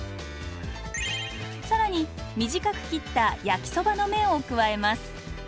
更に短く切った焼きそばの麺を加えます。